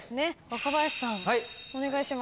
若林さんお願いします。